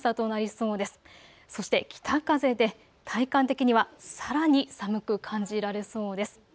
そして北風で体感的にはさらに寒く感じられそうです。